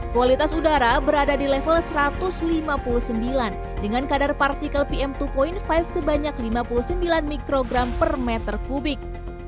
kualitas udara berada di level satu ratus lima puluh sembilan dengan kadar partikel pm dua lima sebanyak lima puluh sembilan mikrogram per meter kubik